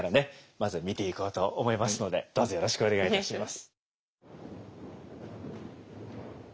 まずは見ていこうと思いますのでどうぞよろしくお願いいたします。